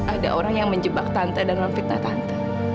ada orang yang menjebak tante dan memfitnah tante